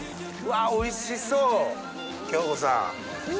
おいしそう恭子さん。